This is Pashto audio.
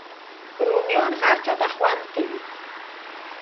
رومیان هر چاته خوند کوي